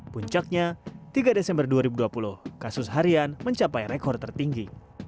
puncaknya tiga desember dua ribu dua puluh kasus harian mencapai rekor tertinggi